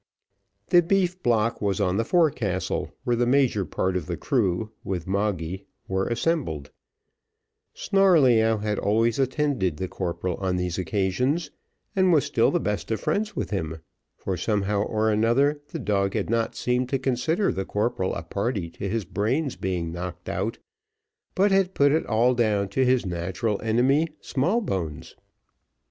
The beef block was on the forecastle, where the major part of the crew, with Moggy, were assembled; Snarleyyow had always attended the corporal on these occasions, and was still the best of friends with him; for somehow or another, the dog had not seemed to consider the corporal a party to his brains being knocked out, but had put it all down to his natural enemy, Smallbones.